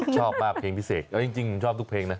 ชอบมากเพลงพิเศษเอาจริงผมชอบทุกเพลงนะ